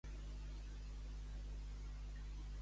Servir al noble, anc que sia pobre.